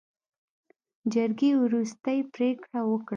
جرګې وروستۍ پرېکړه وکړه.